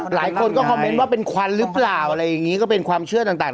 หลายคนก็มาบอกว่าเป็นกว่าหรือเปล่าอะไรเนี้ยก็เป็นความเชื่อต่าง